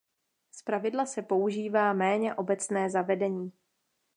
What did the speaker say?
Zpravidla se používá méně obecné zavedení.